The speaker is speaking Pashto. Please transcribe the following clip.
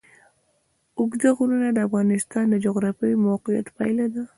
اوږده غرونه د افغانستان د جغرافیایي موقیعت پایله ده.